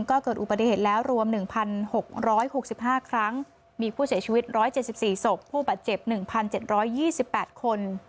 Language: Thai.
ก็เกิดอุบัติเหตุแล้วรวม๑๖๖๕ครั้งมีผู้เสียชีวิต๑๗๔ศพผู้บาดเจ็บ๑๗๒๘คน